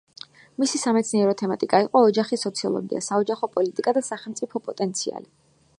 მისი სამეცნიერო თემატიკა იყო ოჯახის სოციოლოგია, საოჯახო პოლიტიკა და სახელმწიფო პოტენციალი.